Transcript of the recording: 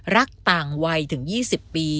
รักต่างวัยถึง๒๐ปี